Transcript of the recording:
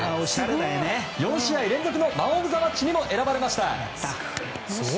４試合連続のマン・オブ・ザ・マッチにも選ばれました。